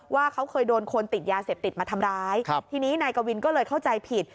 ว่าเขาเคยโดนคนติดยาเสพติดมาทำร้ายครับทีนี้นายกวินก็เลยเข้าใจผิด